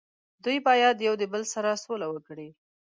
دوي باید یو د بل سره سوله وکړي